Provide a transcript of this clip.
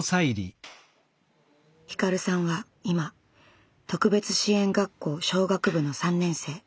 ひかるさんは今特別支援学校小学部の３年生。